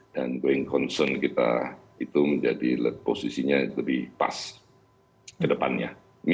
dan going concern kita itu menjadi posisinya lebih pas ke depannya